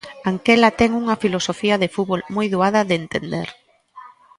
Anquela ten unha filosofía de fútbol moi doada de entender.